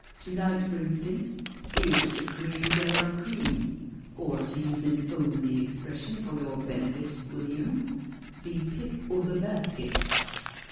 To night, for instance, 'ere's the ' cream delar cream,' or to use an 'omely expression for your benefit, William, ' the pick o' the basket.'